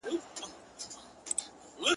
دا موږ ولي همېشه غم ته پیدا یو،